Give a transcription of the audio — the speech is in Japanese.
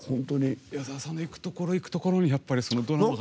矢沢さんのいくところいくところにドラマが。